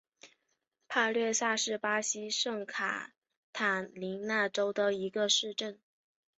帕略萨是巴西圣卡塔琳娜州的一个市镇。